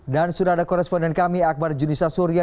dan sudah ada koresponden kami akbar junissa surya